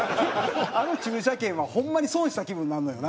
あの駐車券はホンマに損した気分になんのよな。